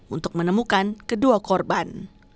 untuk menemukan kedua korban